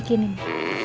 aku suka makan roti